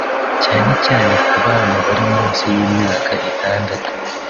cyane cyane ku bana bari munsi y’imyaka itandatu